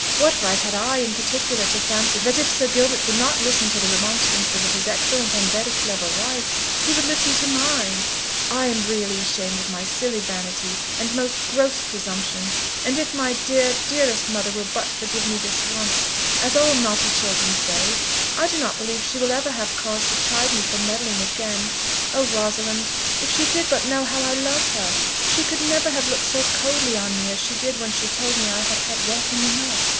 What right had I, in particular, to fancy that if Sir Gilbert would not listen to the remonstrances of his excellent and very clever wife, he would listen to mine? I really am ashamed of my silly vanity and most gross presumption; and if my dear, dearest mother will but forgive me this once, as all naughty children say, I do not believe she will ever have cause to chide me for meddling again. Oh, Rosalind! if she did but know how I love her, she could never have looked so coldly on me as she did when she told me I had had walking enough!"